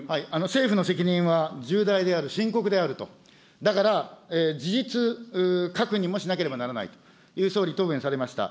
政府の責任は重大である、深刻であると、だから事実確認もしなければならないという、総理、答弁されました。